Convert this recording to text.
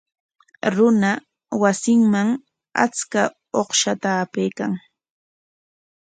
Runa wasinman achka uqshata apaykan.